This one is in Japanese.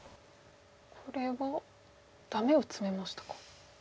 これはダメをツメましたか。